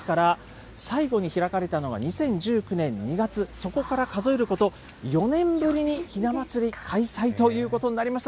ですから、最後に開かれたのは２０１９年２月、そこから数えること、４年ぶりにひな祭り開催ということになりました。